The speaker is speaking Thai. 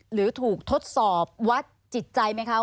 หรือถูกทดสอบวัดจิตใจไหมคะ